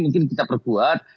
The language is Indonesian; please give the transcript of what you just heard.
mungkin kita perbuat